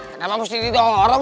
kenapa mesti didorong